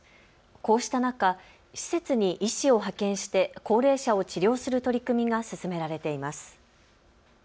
こうした中、施設に医師を派遣して高齢者を治療する取り組みが進められています。